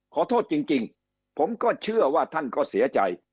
ขอโทษจริงผมก็เชื่อว่าท่านก็เสียใจ